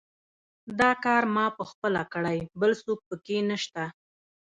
دا کار ما پخپله کړی، بل څوک پکې نشته.